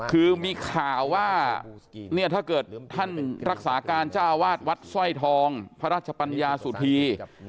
คือมีข่าวว่าเนี่ยถ้าเกิดท่านรักษาการเจ้าวาดวัดสร้อยทองพระราชปัญญาสุธี